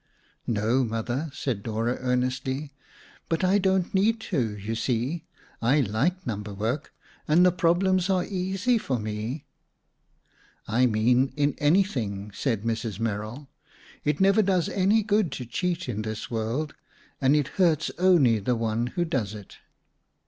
"No, Mother," said Dora earnestly. "But I don't need to, you see. I like number work and the problems are easy for me." "I mean in anything," said Mrs. Merrill. "It never does any good to cheat in this world, and it hurts only the one who does it."